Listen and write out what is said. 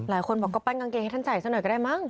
หลายคนบอกก็ปั้นกางเกงให้ท่านใส่ซะหน่อยก็ได้มั้ง